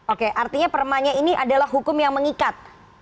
oke artinya permanya ini adalah hukum yang mengikat